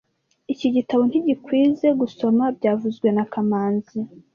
Iki gitabo ntigikwizoe gusoma byavuzwe na kamanzi